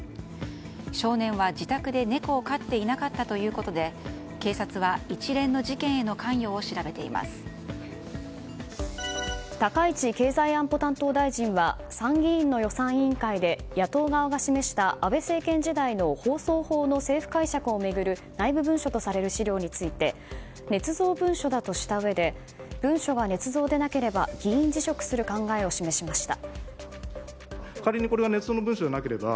少年は自宅で猫を飼っていなかったということで警察は一連の事件への関与を高市経済安保担当大臣は参議院の予算委員会で野党側が示した安倍政権時代の放送法の政府解釈を巡る内部文書とされる資料についてねつ造文書だとしたうえで文書がねつ造でなければ議員辞職する考えを示しました。